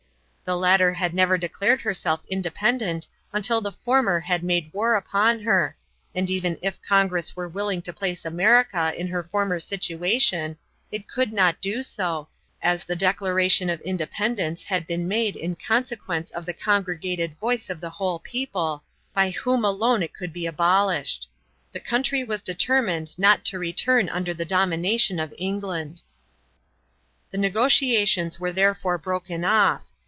The latter had never declared herself independent until the former had made war upon her, and even if Congress were willing to place America in her former situation, it could not do so, as the Declaration of Independence had been made in consequence of the congregated voice of the whole people, by whom alone it could be abolished. The country was determined not to return under the domination of England. The negotiations were therefore broken off.